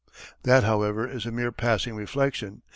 _] That, however, is a mere passing reflection.